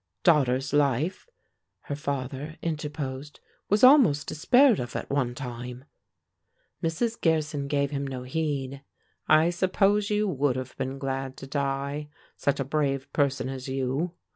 "Daughter's life," her father interposed, "was almost despaired of, at one time." Mrs. Gearson gave him no heed. "I suppose you would have been glad to die, such a brave person as you!